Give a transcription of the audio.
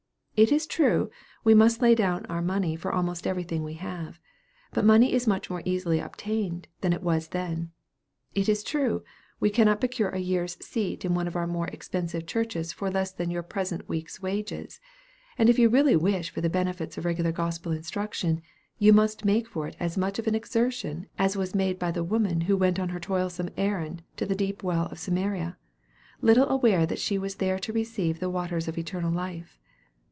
It is true, we must lay down our money for almost everything we have; but money is much more easily obtained than it was then. It is true, we cannot procure a year's seat in one of our most expensive churches for less than your present week's wages; and if you really wish for the benefits of regular gospel instruction, you must make for it as much of an exertion as was made by the woman who went on her toilsome errand to the deep well of Samaria, little aware that she was there to receive the waters of eternal life.